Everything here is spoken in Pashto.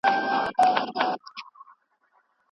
ځانګړې ډله واکمنه وه.